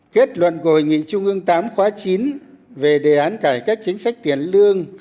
kết luận của hội nghị trung ương viii khóa ix về đề án cải cách chính sách tiền lương